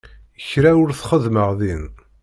Kra ur t-xeddmeɣ din.